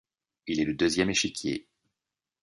Il en est le deuxième échiquier.